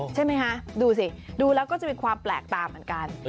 ใช่ไหมคะดูสิดูแล้วก็จะมีความแปลกตาเหมือนกัน